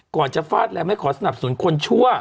ก่อนจะฟาดแรงไม่ขอสนับสนุนคนชั่ว